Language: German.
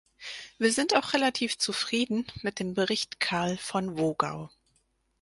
Wir sind auch relativ zufrieden mit dem Bericht Karl von Wogau.